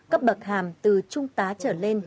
cấp bậc hàm từ trung tá trở lên